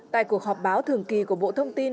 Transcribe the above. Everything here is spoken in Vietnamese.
tại cuộc họp báo thường kỳ của bộ thông tin